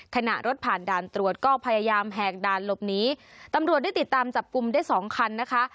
ขณะรถผ่านด่านตรวจก็พยายามแหกด่านหลบหนีตำรวจได้ติดตามจับกลุ่มได้สองคันนะคะ